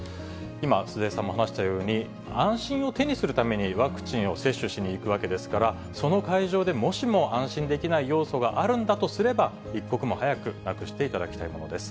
今、鈴江さんも話したように、安心を手にするためにワクチンを接種しに行くわけですから、その会場で、もしも安心できない要素があるんだとすれば、一刻も早くなくしていただきたいものです。